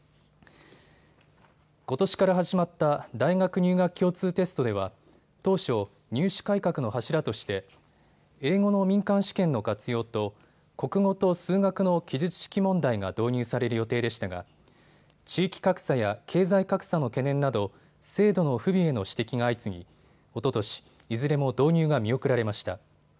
ことしから始まった大学入学共通テストでは当初、入試改革の柱として英語の民間試験の活用と国語と数学の記述式問題が導入される予定でしたが地域格差や経済格差の懸念など制度の不備への指摘が相次ぎおととし、いずれも導入が見送られました。